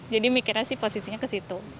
jadi mikirnya sih posisinya ke situ